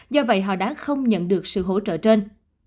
do vậy họ đã không nhận được sự hỗ trợ trên